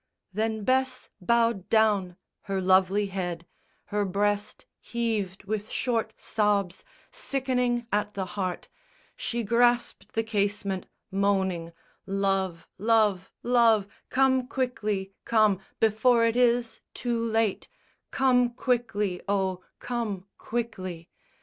Then Bess bowed down her lovely head: her breast Heaved with short sobs, sickening at the heart, She grasped the casement moaning, "Love, Love, Love, Come quickly, come, before it is too late, Come quickly, oh come quickly."